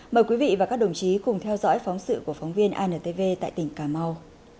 mời quý vị và các đồng chí cùng theo dõi phóng sự của phóng viên antv tại tỉnh cà mau